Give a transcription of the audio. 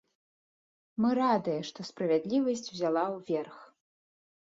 Мы радыя, што справядлівасць узяла верх.